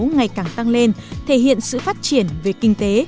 ngày càng tăng lên thể hiện sự phát triển về kinh tế